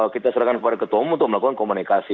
kita serahkan kepada ketua umum untuk melakukan komunikasi